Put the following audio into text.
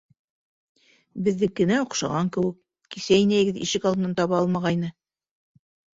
Беҙҙекенә оҡшаған кеүек, кисә инәйегеҙ ишек алдынан таба алмағайны.